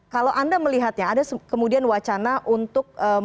kalau anda melihatnya ada kemudian wacana untuk